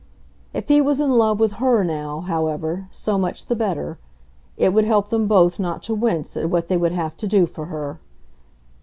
If he was in love with HER now, however, so much the better; it would help them both not to wince at what they would have to do for her.